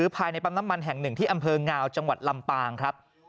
ภายในปั๊มน้ำมันแห่งหนึ่งที่อำเภองาวจังหวัดลำปางครับ